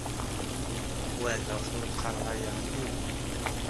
Weɛdeɣ-t ur qqareɣ aya i yiwen.